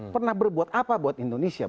pernah berbuat apa buat indonesia